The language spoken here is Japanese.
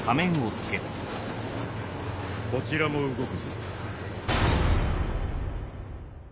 こちらも動くぞ。